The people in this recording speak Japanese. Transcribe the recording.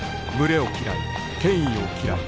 群れを嫌い権威を嫌い